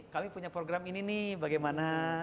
kami punya program ini nih bagaimana